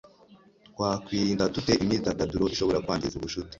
twakwirinda dute imyidagaduro ishobora kwangiza ubucuti